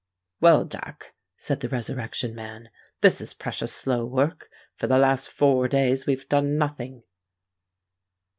"Well, Jack," said the Resurrection Man, "this is precious slow work. For the last four days we've done nothing."